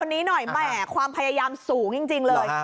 นี้หน่อยแหมความพยายามสูงจริงเลย